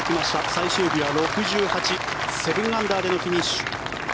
最終日は６８７アンダーでのフィニッシュ。